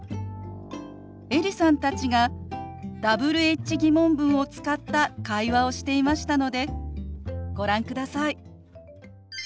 エリさんたちがＷｈ−疑問文を使った会話をしていましたのでご覧ください。